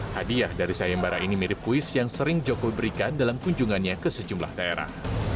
hadiah dari sayembara ini mirip kuis yang sering jokowi berikan dalam kunjungannya ke sejumlah daerah